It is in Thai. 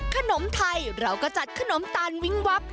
ขนมไทยเราก็จัดขนมตาลวิ้งวับ